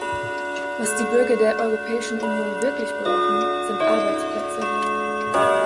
Was die Bürger der Europäischen Union wirklich brauchen, sind Arbeitsplätze.